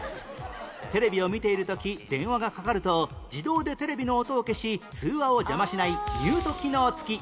テレビを見ている時電話がかかると自動でテレビの音を消し通話を邪魔しないミュート機能付き